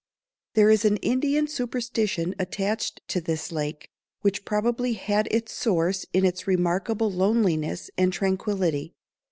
There is an Indian superstition attached to this lake, which probably had its source in its remarkable loneliness and tranquillity.